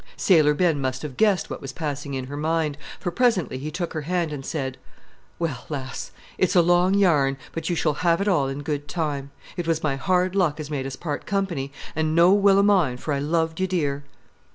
Sailor Ben must have guessed what was passing in her mind, for presently he took her hand and said "Well, lass, it's a long yarn, but you shall have it all in good time. It was my hard luck as made us part company, an' no will of mine, for I loved you dear."